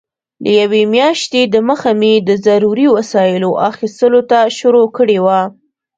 له یوې میاشتې دمخه مې د ضروري وسایلو اخیستلو ته شروع کړې وه.